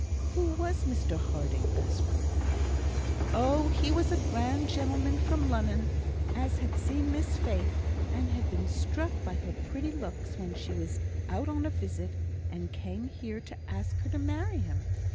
"Who was Mr Harding?" asked Ruth. "Oh, he was a grand gentleman from Lunnon, as had seen Miss Faith, and been struck by her pretty looks when she was out on a visit, and came here to ask her to marry him.